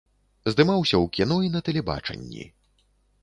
Здымаўся ў кіно і на тэлебачанні.